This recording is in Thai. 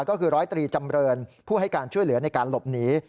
ก็คือร้อยตรีจำเรินผู้ให้การช่วยเหลือในการหลบหนี